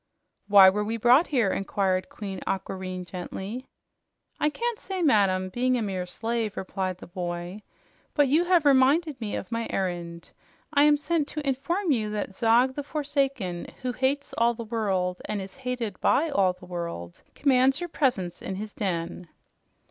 "Why were we brought here?" inquired Queen Aquareine gently. "I can't say, madam, being a mere slave," replied the boy. "But you have reminded me of my errand. I am sent to inform you all that Zog the Forsaken, who hates all the world and is hated by all the world, commands your presence in his den."